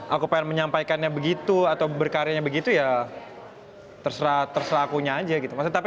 aku pengen menyampaikannya begitu atau berkarya begitu ya terserah terserah akunya aja gitu tapi